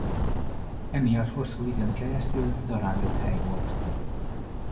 Emiatt hosszú időn keresztül zarándokhely volt.